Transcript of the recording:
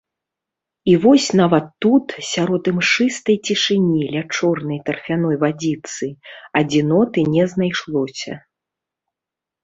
І вось нават тут, сярод імшыстай цішыні, ля чорнай тарфяной вадзіцы, адзіноты не знайшлося.